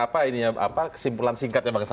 tangan mkd untuk membuat setia novanto